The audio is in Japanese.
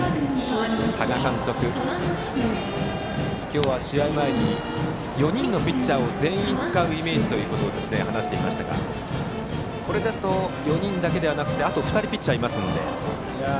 多賀監督、今日は試合前に４人のピッチャーを全員使うイメージということを話していましたがこれですと、４人だけでなくてあと２人、ピッチャーいますので。